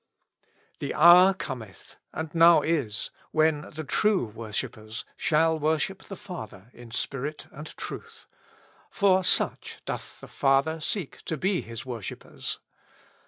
The hour Cometh^ and now is, when the true worship pers shall worship the Father in spirit and truth; for such doth the Father seek to be His worshippers.